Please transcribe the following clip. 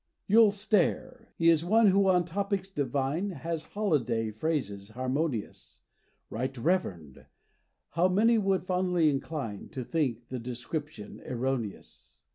You'll stare! he is one who on topics divine, Has holiday phrases harmonious; Right Reverend! how many would fondly incline To think the description erroneous!